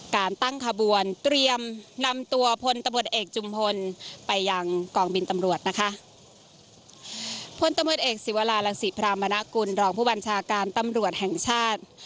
การตั้งขบวนเตรียมนำตัวพลตำรวจเอกจุมพลไปยังกองบินตำรวจนะคะพลตำรวจเอกศิวรารังศิพรามณกุลรองผู้บัญชาการตำรวจแห่งชาติ